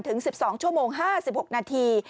ถึง๑๒ชั่วโมง๕๖นาที